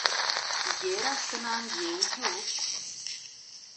Ер аҫтынан юл юҡ.